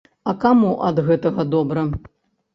А каму ад гэтага добра?